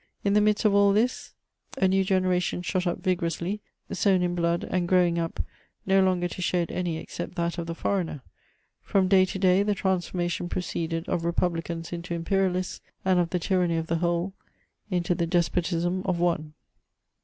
In the midst of all this, a new generation shot up vigorously, sown in blood, and growing up, no longer to shed any except that of the foreigner : from day to day, the transformation proceeded of republicans into imperialists, and of the tyranny of the whole into the despotism of one.